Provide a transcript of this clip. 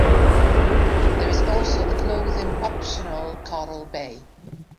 There is also the clothing-optional Coral Bay.